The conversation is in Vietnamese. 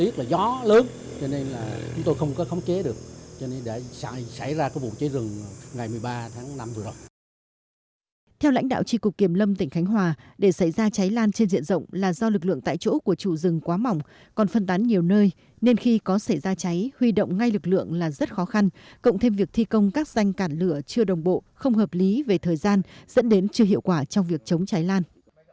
theo lãnh đạo tri cục kiềm lâm tỉnh khánh hòa để xảy ra cháy lan trên diện rộng là do lực lượng tại chỗ của chủ rừng quá mỏng còn phân tán nhiều nơi nên khi có xảy ra cháy huy động ngay lực lượng là rất khó khăn cộng thêm việc thi công các danh cản lửa chưa đồng bộ không hợp lý về thời gian dẫn đến chưa hiệu quả trong việc chống cháy lan